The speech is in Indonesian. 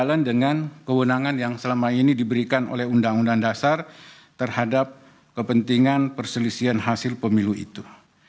berjalan dengan kewenangan yang selama ini diberikan oleh undang undang dasar terhadap kepentingan perselisihan hasil pemilu itu